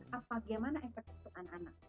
bagaimana efek itu untuk anak anak